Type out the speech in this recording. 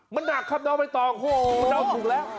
มันหนักครับไม่ต้องโอ้โฮมันหนักถูกแล้ว